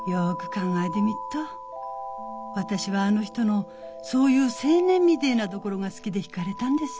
考えでみっと私はあの人のそういう青年みでえなところが好きで引かれたんです。